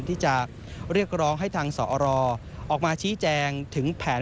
ที่จะเรียกร้องให้ทางสอรออกมาชี้แจงถึงแผน